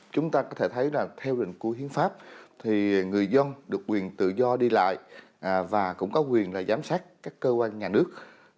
chúng ta có thể thấy là theo định của hiến pháp thì người dân được quyền tự do đi lại và cũng có quyền là giám sát các cơ quan nhà nước